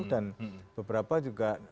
dan beberapa juga